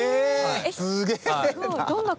すげえな！